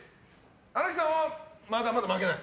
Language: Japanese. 荒木さんはまだまだ負けない？